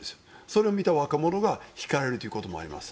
それを見た若者が引かれるということもあります。